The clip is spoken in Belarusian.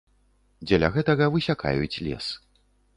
Дзеля гэтага высякаюць лес.